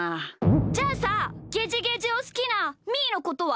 じゃあさゲジゲジをすきなみーのことは？